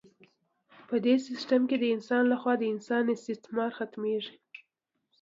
په دې سیستم کې د انسان لخوا د انسان استثمار ختمیږي.